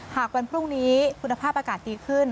หากวันพรุ่งนี้คุณภาพอากาศดีขึ้น